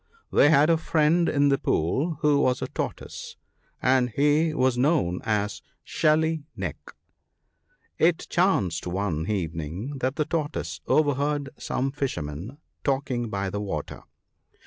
They had a friend in the pool who was a Tortoise, and he was known as * Shelly neck.' It chanced one evening that the Tortoise overheard some fishermen talking by the water.